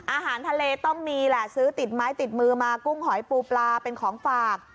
อาหารทะเลต้องมีแหละซื้อติดไม้ติดมือมากุ้งหอยปูปลาเป็นของฝาก